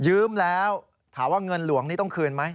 ยืมแล้วถามว่าเงินหลวงนี่ต้องคืนไหม